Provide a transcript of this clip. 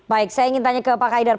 baik saya ingin tanya ke pak kaidar